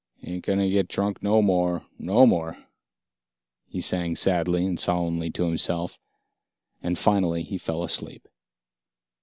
"Ain't gonna get drunk no more, no more," he sang sadly and solemnly to himself, and finally he fell asleep.